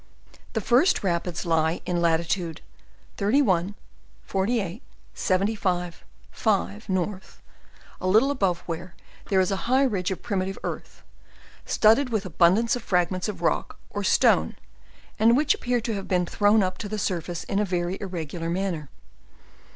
The first rapids lie in lattitude 31, 48, 75, 5, N. a little above which there is a high ridge of primitive earth, studded with abundance of fragments of rocks, or stone, which appear to have been thrown lip to the surface in a very irregular manner.